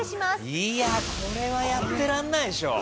いやこれはやってらんないでしょ。